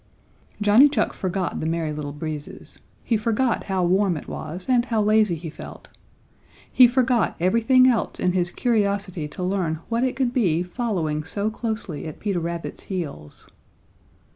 Johnny Chuck forgot the Merry Little Breezes. He forgot how warm it was and how lazy he felt. He forgot everything else in his curiosity to learn what it could be following so closely at Peter Rabbit's heels.